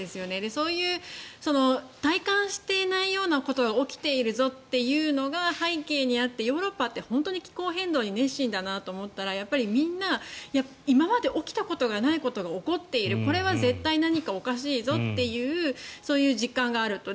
そういう体感していないことが起きているぞというのが背景にあってヨーロッパって本当に気候変動に熱心だなと思ったらやっぱりみんな今まで起きたことがないことが起こっているこれは絶対何かおかしいぞというそういう実感があると。